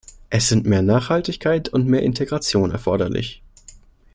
Es sind mehr Nachhaltigkeit und mehr Integration erforderlich.